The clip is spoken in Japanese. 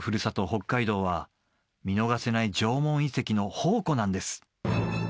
北海道は見逃せない縄文遺跡の宝庫なんです